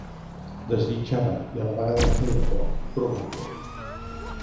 Desitjava, i a la vegada em feia por, trobar-lo.